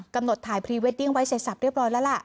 กำหนดถ่ายพรีเวดดิ้งไว้ใส่ศัพท์เรียบร้อยแล้วล่ะ